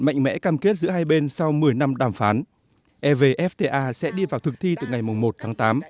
mạnh mẽ cam kết giữa hai bên sau một mươi năm đàm phán evfta sẽ đi vào thực thi từ ngày một tháng tám